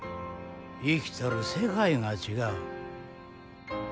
生きとる世界が違う。